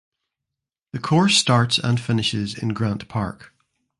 The course starts and finishes in Grant Park.